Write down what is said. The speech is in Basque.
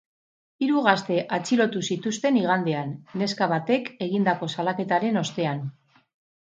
Hiru gazte atxilotu zituzten igandean, neska batek egindako salaketaren ostean.